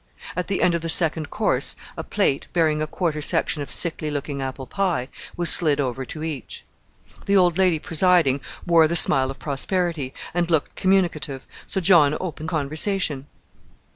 At the end of the second course a plate, bearing a quarter section of sickly looking apple pie, was slid over to each. The old lady presiding wore the smile of prosperity, and looked communicative, so John opened conversation.